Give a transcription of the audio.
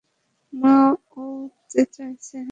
মা, ও উঠতে চাইছে না।